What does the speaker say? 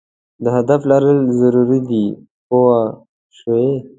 د هدف لرل ضرور دي پوه شوې!.